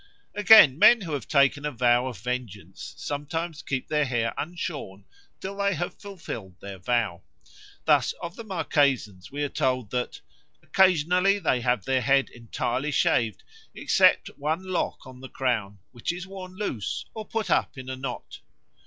Again, men who have taken a vow of vengeance sometimes keep their hair unshorn till they have fulfilled their vow. Thus of the Marquesans we are told that "occasionally they have their head entirely shaved, except one lock on the crown, which is worn loose or put up in a knot.